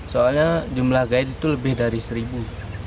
soalnya jumlah guide itu lebih dari seribu